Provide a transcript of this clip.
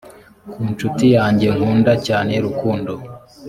ku nshuti yange nkunda cyane rukundo